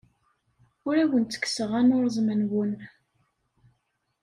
Ur awen-ttekkseɣ anurẓem-nwen.